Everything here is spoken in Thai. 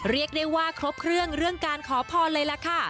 เรียกได้ว่าครบเครื่องเรื่องการขอพรเลยล่ะค่ะ